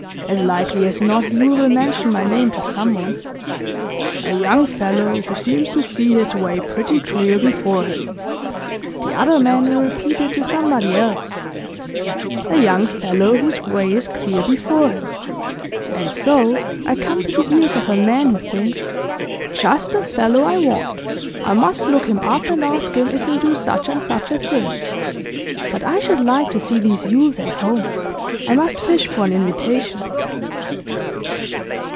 As likely as not Yule will mention my name to someone. "A young fellow who seems to see his way pretty clear before him." The other man will repeat it to somebody else, "A young fellow whose way is clear before him," and so I come to the ears of a man who thinks "Just the fellow I want; I must look him up and ask him if he'll do such and such a thing." But I should like to see these Yules at home; I must fish for an invitation.